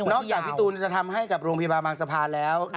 จากพี่ตูนจะทำให้กับโรงพยาบาลบางสะพานแล้ว